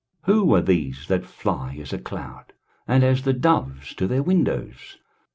23:060:008 Who are these that fly as a cloud, and as the doves to their windows?